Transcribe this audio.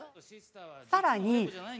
さらに。